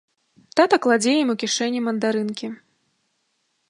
Тата кладзе ім у кішэні мандарынкі.